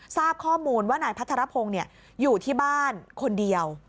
ทราบข้อมูลว่านายพัทรพงศ์อยู่ที่บ้านคนเดียว